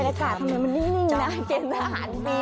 บรรยากาศทำไมมันดีนิ่งนะเจนสหารปีเนี้ย